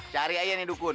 cari aja nih dukun